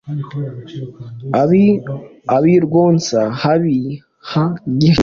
abi rwonsa habiri ha gihinira,